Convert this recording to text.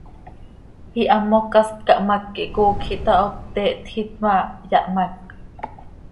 Ihamoc quih hast cahmác quih coocj ihtaho, pte htjiit ma, yahmác.